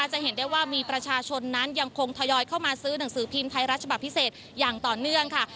จะเห็นได้ว่ามีประชาชนนั้นยังคงทยอยเข้ามาซื้อหนังสือพิมพ์ไทยรัฐฉบับพิเศษอย่างต่อเนื่องค่ะ